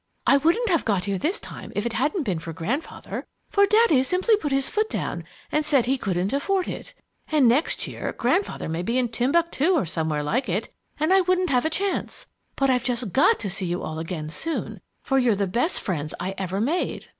I wouldn't have got here this time if it hadn't been for Grandfather, for Daddy simply put his foot down and said he couldn't afford it. And next year Grandfather may be in Timbuctoo or somewhere like it, and I wouldn't have a chance. But I've just got to see you all again soon, for you're the best friends I ever made."